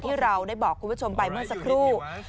ที่เราได้บอกคุณผู้ชมไปเมื่อสักครู่